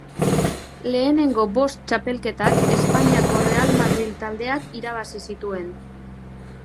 Lehenengo bost txapelketak Espainiako Real Madril taldeak irabazi zituen.